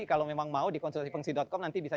kalau memang mau di konsultasifengsi com nanti bisa